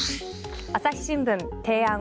朝日新聞、提案。